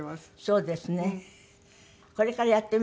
そうですね